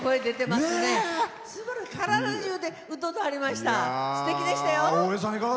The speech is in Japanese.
すてきでしたよ。